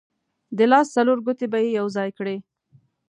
د لاس څلور ګوتې به یې یو ځای کړې.